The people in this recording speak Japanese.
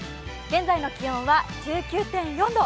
現在の気温は１９．４度。